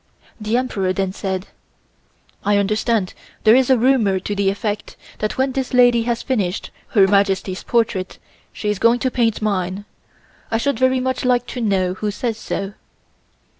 The Emperor then said: "I understand there is a rumor to the effect that when this lady has finished Her Majesty's portrait she is going to paint mine. I should very much like to know who says so."